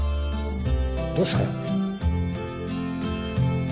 どうしたの？